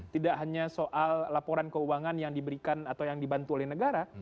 tidak hanya soal laporan keuangan yang diberikan atau yang dibantu oleh negara